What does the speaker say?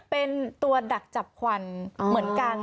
เป็นตัวดักจับควันเหมือนกัน